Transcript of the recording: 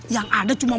nanti kita lanjut lagi